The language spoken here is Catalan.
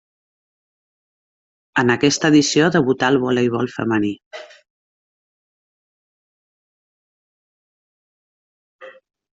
En aquesta edició debutà el voleibol femení.